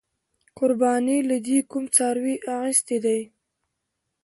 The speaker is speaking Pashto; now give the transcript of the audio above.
قربانۍ له دې کوم څاروې اغستی دی؟